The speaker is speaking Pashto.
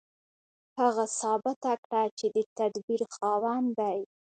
هغه ثابته کړه چې د تدبير خاوند دی.